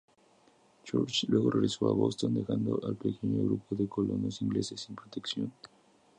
Church luego regresó a Boston dejando al pequeño grupo de colonos ingleses sin protección.